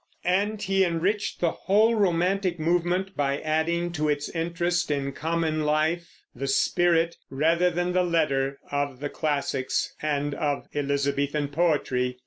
And he enriched the whole romantic movement by adding to its interest in common life the spirit, rather than the letter, of the classics and of Elizabethan poetry.